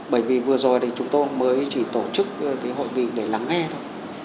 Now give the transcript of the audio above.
bởi vì vừa rồi chúng tôi mới chỉ tổ chức hội vị để lắng nghe thôi